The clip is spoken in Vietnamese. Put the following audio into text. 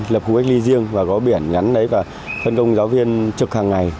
lập khu cách ly riêng và có biển nhắn lấy và phân công giáo viên trực hàng ngày